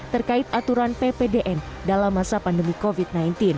terkait aturan ppdn dalam masa pandemi covid sembilan belas